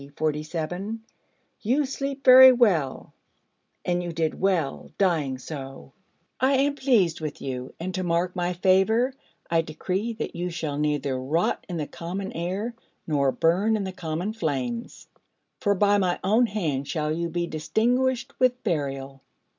47, you sleep very well: and you did well, dying so: I am pleased with you, and to mark my favour, I decree that you shall neither rot in the common air, nor burn in the common flames: for by my own hand shall you be distinguished with burial.'